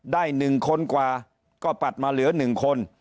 ได้หนึ่งคนกว่าก็ปัดมาเหลือหนึ่งคน